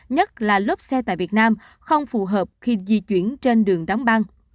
nhất là lốp xe tại việt nam không phù hợp khi di chuyển trên đường đóng băng